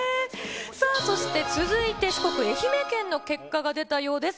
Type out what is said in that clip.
さあ、そして続いて四国・愛媛県の結果が出たようです。